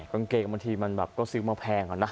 กางเกงบางทีมันแบบก็ซื้อมาแพงก่อนนะ